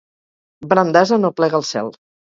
Bram d'ase no aplega al cel.